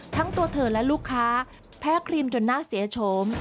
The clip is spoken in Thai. ทั้งตัวเธอและลูกค้าแพ้ครีมจนน่าเสียโฉม